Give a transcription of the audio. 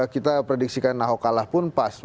kita prediksikan nahokalah pun pas